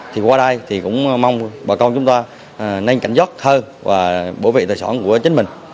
thì qua đây thì cũng mong bà con chúng ta nhanh cảnh giấc hơn và bổ vệ tài sản của chính mình